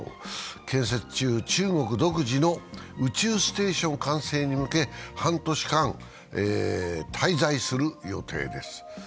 建設中の中国独自の宇宙ステーション完成に向け、半年間、滞在する予定です。